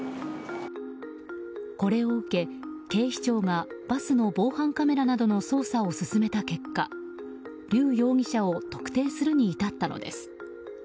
これを受け、警視庁がバスの防犯カメラなどの捜査を進めた結果リュウ容疑者を特定するに至ったのです。